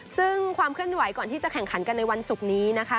ซึ่งความเคลื่อนไหวก่อนที่จะแข่งขันกันในวันศุกร์นี้นะคะ